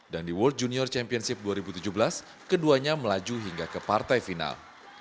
dan di world junior championship dua ribu tujuh belas keduanya melaju hingga ke partai final